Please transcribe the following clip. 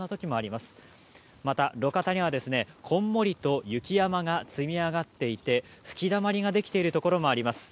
また、路肩にはこんもりと雪山が積み上がっていて吹きだまりができているところがあります。